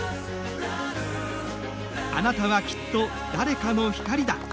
「あなたは、きっと、誰かの光だ。」